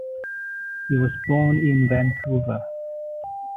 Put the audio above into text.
He was born in Vancouver.